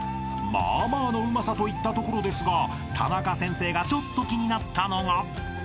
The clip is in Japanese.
［まあまあのうまさといったところですがタナカ先生がちょっと気になったのが］